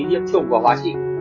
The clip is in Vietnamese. hiệp trùng của hoa kỳ